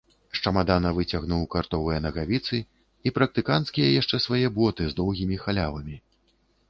З чамадана выцягнуў картовыя нагавіцы і практыканцкія яшчэ свае боты з доўгімі халявамі.